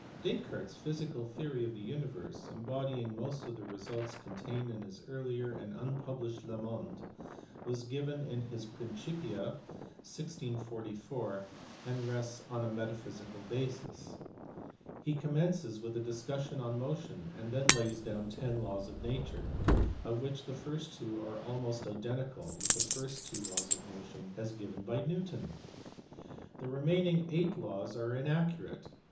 Descartes s physical theory of the universe, embodying most of the results contained in his earlier and unpublished Le Monde, was given in his Principia, 1644, and rests on a ineta Rhysical basjs. He commences with_jt discussion an_motion ; and thenjays dowrTten law s ofliature, of which the first two are almost identical with the tirst two laws of motion as given by Newton fsee below, p. 337) ; the remaining eight laws are inaccurate^ li!